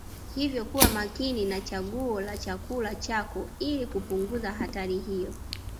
Hivyo kuwa makini na chaguo la chakula chako ili kupunguza hatari hiyo